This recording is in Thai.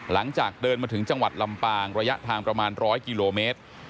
หลังจากเดินมาถึงจังหวัดลำปางระยะทางประมาณ๑๐๐กิโลเมตร